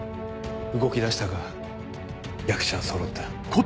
動きだしたか役者はそろった。